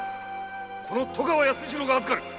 この戸川安次郎が預かる。